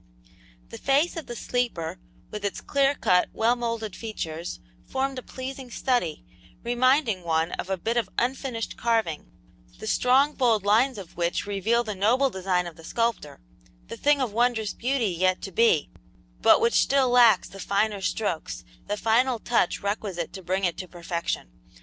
The face of the sleeper, with its clear cut, well moulded features, formed a pleasing study, reminding one of a bit of unfinished carving, the strong, bold lines of which reveal the noble design of the sculptor the thing of wondrous beauty yet to be but which still lacks the finer strokes, the final touch requisite to bring it to perfection.